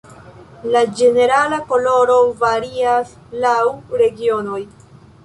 La ĝenerala koloro varias laŭ regionoj.